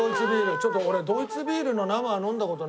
ちょっと俺ドイツビールの生は飲んだ事ないな。